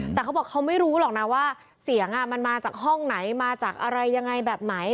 แต่เขาบอกเขาไม่รู้หรอกนะว่าเสียงมันมาจากห้องไหนมาจากอะไรยังไงแบบไหน